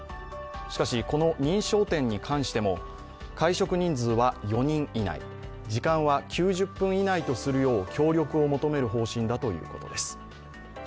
しかし、この認証店に関しても会食人数は４人以内時間は９０分以内とするよう協力を求める方針だということです。